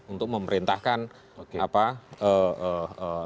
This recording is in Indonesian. untuk memerintahkan lawan politik